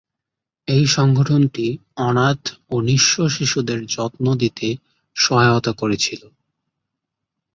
এই সংগঠনটি অনাথ ও নিঃস্ব শিশুদের যত্ন দিতে সহায়তা করেছিল।